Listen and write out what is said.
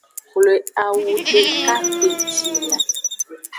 Xwle awu deka kpeci la.